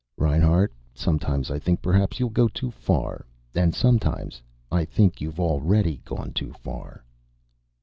"Reinhart, sometimes I think perhaps you'll go too far. And sometimes I think you've already gone too far...."